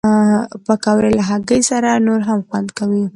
پکورې له هګۍ سره نور هم خوند کوي